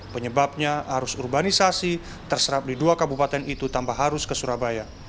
penyebabnya arus urbanisasi terserap di dua kabupaten itu tanpa harus ke surabaya